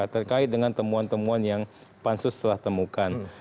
terkait dengan temuan temuan yang pansus telah temukan